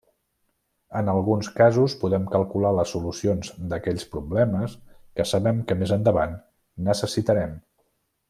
En alguns casos, podem calcular les solucions d'aquells problemes que sabem que més endavant necessitarem.